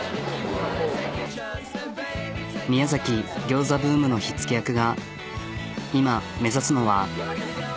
ギョーザブームの火付け役が今目指すのは。